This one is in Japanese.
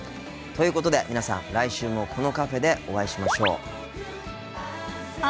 ということで皆さん来週もこのカフェでお会いしましょう。